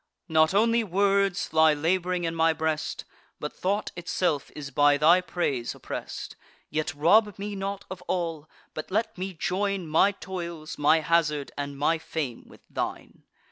Not only words lie lab'ring in my breast, But thought itself is by thy praise oppress'd. Yet rob me not of all; but let me join My toils, my hazard, and my fame, with thine.